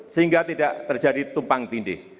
sehingga tidak terjadi tumpang tindih